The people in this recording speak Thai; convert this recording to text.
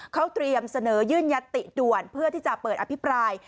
เขาเตรียมเสนอยื่นยัตติด่วนเพื่อที่จะเปิดอภิปราย